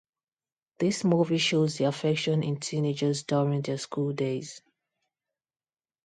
This movie shows the affection in teenagers during their school days.